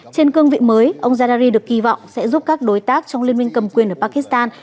trên cương vị mới ông zardari được kỳ vọng sẽ giúp các đối tác trong liên minh cầm quyền ở pakistan